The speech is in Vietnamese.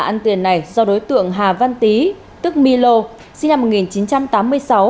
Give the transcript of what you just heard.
ăn tiền này do đối tượng hà văn tý tức my lô sinh năm một nghìn chín trăm tám mươi sáu